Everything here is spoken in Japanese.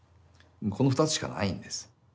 この２つしかないんです。